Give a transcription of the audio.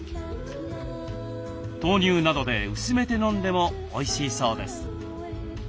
豆乳などで薄めて飲んでもおいしいそうです。